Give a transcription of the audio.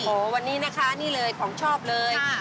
โอ้โหวันนี้นะคะนี่เลยของชอบเลย